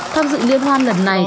tham dự liên hoan lần này